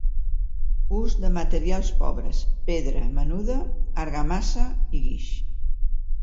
Ús de materials pobres: pedra menuda, argamassa i guix.